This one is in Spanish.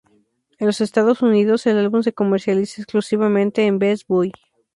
En los Estados Unidos, el álbum se comercializa exclusivamente en Best Buy.